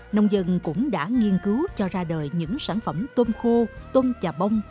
nông dân cũng đã nghiên cứu cho ra đời những sản phẩm tôm khô tôm trà bông